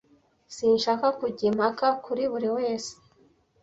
Sinshaka kujya impaka kuri buri wese.